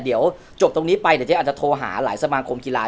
เดี๋ยวฉันอาจจะโทรหาหลายสมาคมกีฬา